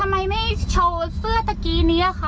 ทำไมไม่โชว์เสื้อตะกี้นี้อะคะ